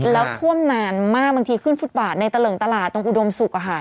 แล้วท่วมนานมากบางทีขึ้นฟุตบาทในตะเลิงตลาดตรงอุดมศุกร์